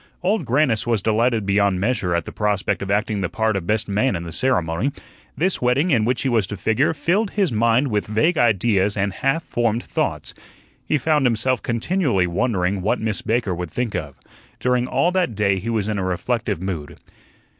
Old Grannis was delighted beyond measure at the prospect of acting the part of best man in the ceremony. This wedding in which he was to figure filled his mind with vague ideas and half formed thoughts. He found himself continually wondering what Miss Baker would think of it. During all that day he was in a reflective mood.